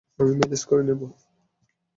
আমি ম্যানেজ করে নিবো।